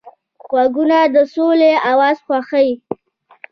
غوږونه د سولې اواز خوښوي